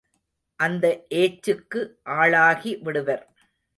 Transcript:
அந்த ஏச்சுக்கு ஆளாகி விடுவர்.